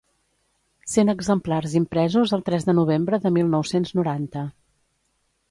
Cent exemplars impresos el tres de novembre de mil nou-cents noranta.